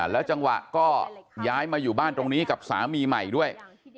แล้วจังหวะก็ย้ายมาอยู่บ้านตรงนี้กับสามีใหม่ด้วย